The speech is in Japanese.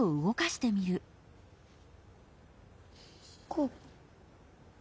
こう？